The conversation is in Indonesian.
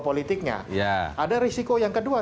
politiknya ada risiko yang kedua